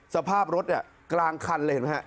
สภาพรถเนี่ยกลางคันเลยเห็นไหมฮะ